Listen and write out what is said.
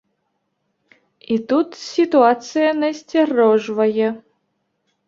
І тут сітуацыя насцярожвае.